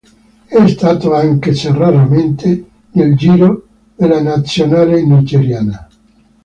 È stato, anche se raramente, nel giro della nazionale nigeriana.